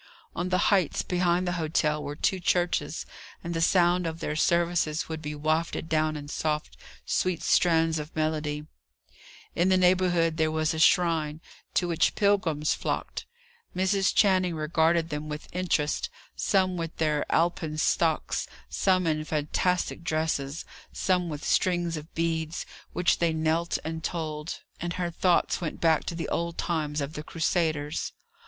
On the heights behind the hotel were two churches; and the sound of their services would be wafted down in soft, sweet strains of melody. In the neighbourhood there was a shrine, to which pilgrims flocked. Mrs. Channing regarded them with interest, some with their alpen stocks, some in fantastic dresses, some with strings of beads, which they knelt and told; and her thoughts went back to the old times of the Crusaders.